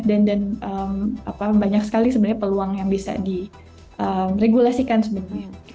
dan banyak sekali sebenarnya peluang yang bisa diregulasikan sebenarnya